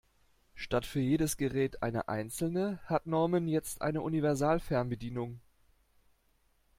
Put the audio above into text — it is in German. Statt für jedes Gerät eine einzelne hat Norman jetzt eine Universalfernbedienung.